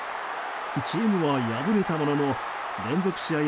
チームは敗れたものの連続試合